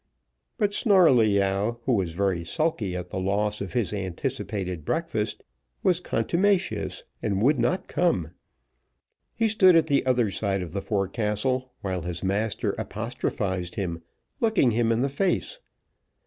But Snarleyyow, who was very sulky at the loss of his anticipated breakfast, was contumacious, and would not come. He stood at the other side of the forecastle, while his master apostrophised him, looking him in the face.